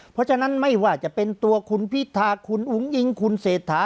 เพราะฉะนั้นไม่ว่าจะเป็นตัวคุณพิธาคุณอุ้งอิงคุณเศรษฐา